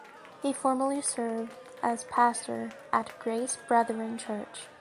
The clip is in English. He formerly served as pastor at Grace Brethren Church.